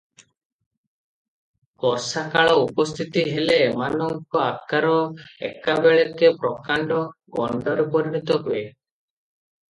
ବର୍ଷାକାଳ ଉପସ୍ଥିତ ହେଲେ ଏମାନଙ୍କ ଅକାର ଏକାବେଳକେ ପ୍ରକାଣ୍ଡ, ଗଣ୍ଡରେ ପରିଣତ ହୁଏ ।